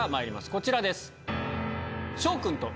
こちらです。